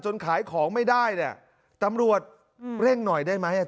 ๓คนค่ะมีแม่มีแม่สาตาตรงนี้เขียว